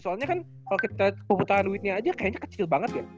soalnya kan kalo kita lihat perputaran duitnya aja kayaknya kecil banget ya